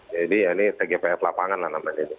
jadi ya ini tgpf lapangan lah namanya